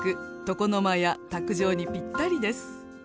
床の間や卓上にぴったりです。